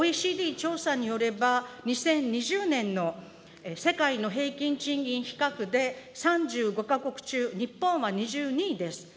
ＯＥＣＤ調査によれば、２０２０年の世界の平均賃金比較で、３５か国中日本は２２位です。